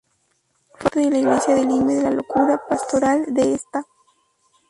Formaba parte de la Iglesia de Lima, y de la cura pastoral de esta.